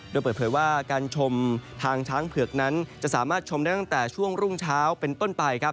โดยเปิดเผยว่าการชมทางช้างเผือกนั้นจะสามารถชมได้ตั้งแต่ช่วงรุ่งเช้าเป็นต้นไปครับ